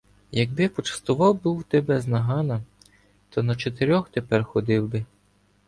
Якби почастував був тебе з "Нагана”, то на чотирьох тепер ходив би.